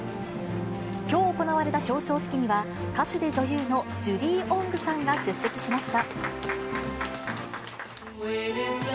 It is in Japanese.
きょう行われた表彰式には、歌手で女優のジュディ・オングさんが出席しました。